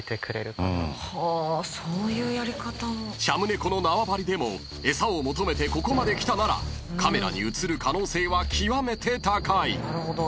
［シャム猫の縄張りでも餌を求めてここまで来たならカメラに映る可能性は極めて高い］